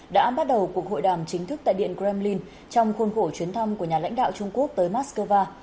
đã bắt đầu cuộc hội đàm chính thức tại điện kremlin trong khuôn khổ chuyến thăm của nhà lãnh đạo trung quốc tới mát x cơ va